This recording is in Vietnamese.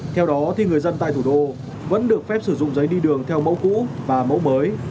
theo đó thì người dân tại thủ đô vẫn được phép sử dụng giấy đi đường theo mẫu cũ và mẫu mới